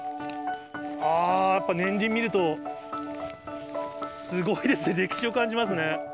あー、やっぱ年輪見ると、すごいです、歴史を感じますね。